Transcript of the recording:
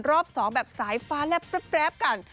รอบสองแบบสายฟ้าและแป๊บกัน